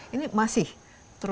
ini masih terus